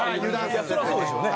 そりゃそうでしょうね。